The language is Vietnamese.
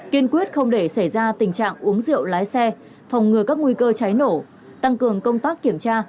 kiên quyết không để xảy ra tình trạng uống rượu lái xe phòng ngừa các nguy cơ cháy nổ tăng cường công tác kiểm tra